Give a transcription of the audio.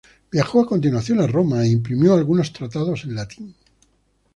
Viajó a continuación a Roma e imprimió algunos tratados en latín.